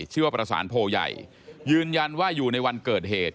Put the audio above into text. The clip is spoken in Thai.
ชื่อว่าประสานโพใหญ่ยืนยันว่าอยู่ในวันเกิดเหตุ